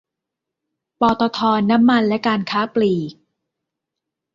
ปตท น้ำมันและการค้าปลีก